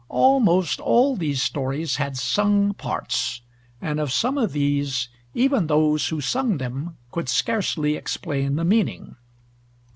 . Almost all these stories had sung parts, and of some of these, even those who sung them could scarcely explain the meaning